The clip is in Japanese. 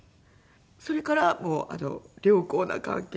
それから良好な関係に。